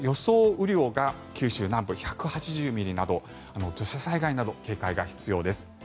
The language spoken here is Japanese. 雨量が九州南部１８０ミリなど土砂災害などに警戒が必要です。